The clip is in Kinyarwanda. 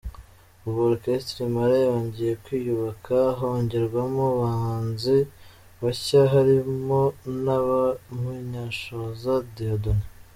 Ubu Orchestre Impala yongeye kwiyubaka, hongerwamo abahanzi bashya barimo na Munyanshoza Dieudonné.